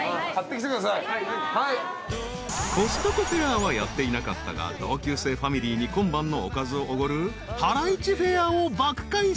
［コストコフェアはやっていなかったが同級生ファミリーに今晩のおかずをおごるハライチフェアを爆開催］